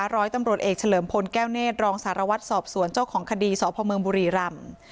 ร้อยตำรวจเอกเฉลิมพลแก้วเนธรองสารวัตรสอบสวนเจ้าของคดีสพเมืองบุรีรำ